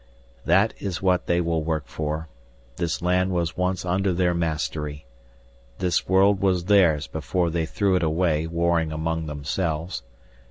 "That is what they will work for. This land was once under their mastery. This world was theirs before they threw it away warring among themselves.